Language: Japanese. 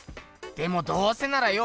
でもどうせならよ